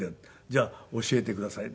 「じゃあ教えてください」。